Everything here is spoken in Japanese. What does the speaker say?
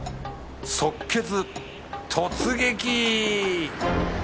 即決突撃！